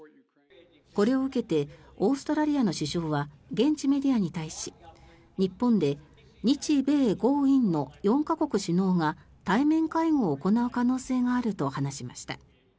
これを受けてオーストラリアの首相は現地メディアに対し日本で日米豪印の４か国首脳が対面会合を行う可能性があると話しました。